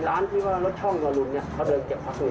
ตรงร้านที่รถช่องตรงนู้นนี่